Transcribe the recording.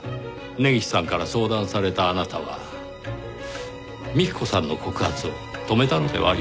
根岸さんから相談されたあなたは幹子さんの告発を止めたのではありませんか？